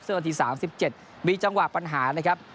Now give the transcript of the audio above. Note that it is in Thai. เส้นวันที๓๗นาทีวิจังหวะปัญหานะครับ